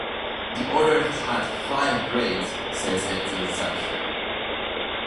The order has had five grades since its inception.